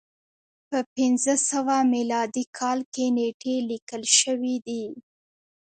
په پنځه سوه میلادي کال کې نېټې لیکل شوې دي.